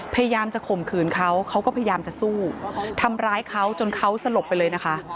พยายามจะข่มขืนเขาเขาก็พยายามจะสู้ทำร้ายเขาจนเขาสลบไปเลยนะคะ